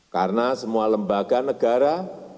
karena semua lembaga negara